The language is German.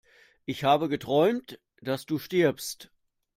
Ich habe geträumt, dass du stirbst!